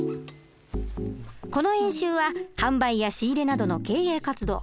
この演習は販売や仕入れなどの経営活動